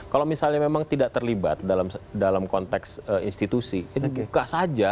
kalau misalnya memang tidak terlibat dalam konteks institusi itu buka saja